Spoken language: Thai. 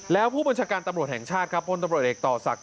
แล้วผู้บัญชาการตำรวจแห่งชาติครับพลตำรวจเอกต่อศักดิ